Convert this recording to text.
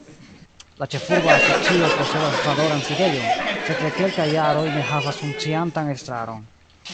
La ĉefurba asocio posedas valoran sidejon, sed de kelkaj jaroj ne havas funkciantan estraron.